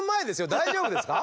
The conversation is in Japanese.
大丈夫ですか？